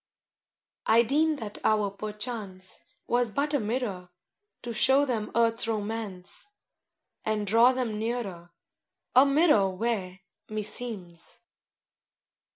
V I deem that hour perchance Was but a mirror To show them Earth's romance And draw them nearer: A mirror where, meseems.